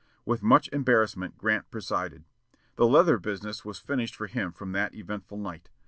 With much embarrassment Grant presided. The leather business was finished for him from that eventful night.